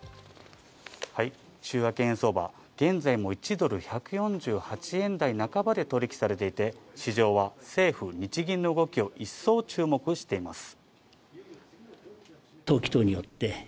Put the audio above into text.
週明け円相場、現在も１ドル＝１４８円台半ばで取引されていて市場は政府・日銀の動きを一層注目しています。